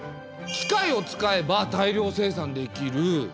機械を使えば大量生産できる。